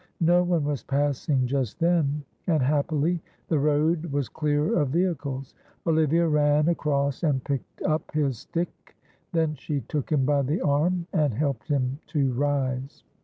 No one was passing just then, and happily the road was clear of vehicles. Olivia ran across and picked up his stick, then she took him by the arm and helped him to rise.